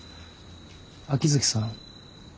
秋月さん